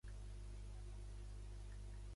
Es nodreixen de copèpodes i eufausiacis.